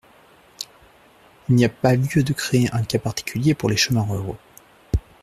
Il n’y a pas lieu de créer un cas particulier pour les chemins ruraux.